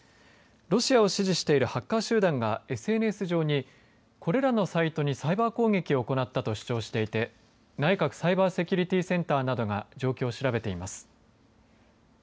ロシア支持しているハッカー集団がＳＮＳ上に、これらのサイトにサイバー攻撃を行ったと主張していて内閣サイバーセキュリティセンターなどが状況を調べています。